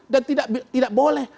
dan tidak boleh